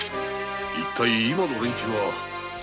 一体今の連中は？